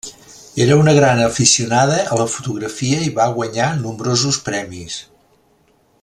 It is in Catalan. Era una gran aficionada a la fotografia i va guanyar nombrosos premis.